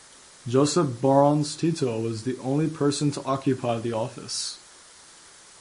Josip Broz Tito was the only person to occupy the office.